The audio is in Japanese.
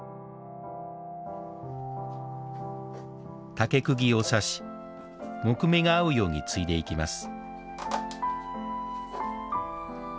竹釘を刺し木目が合うように継いでいきます